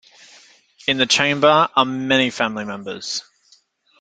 In the chamber are many family members.